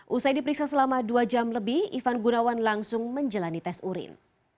usai diperiksa selama dua jam lebih ivan gunawan langsung menjalani tes urin